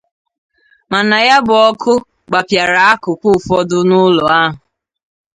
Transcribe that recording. mana ya bụ ọkụ gbapịàrà akụkụ ụfọdụ n'ụlọ ahụ